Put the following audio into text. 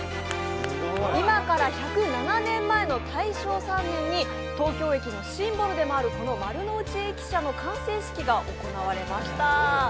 今から１０７年前の大正３年に東京駅のシンボルである丸の内駅舎の完成式が行われました。